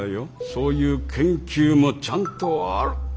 そういう研究もちゃんとある。